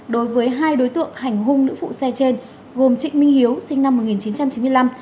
đối với hai đối tượng hành hung nữ phụ xe trên gồm trịnh minh hiếu sinh năm một nghìn chín trăm chín mươi năm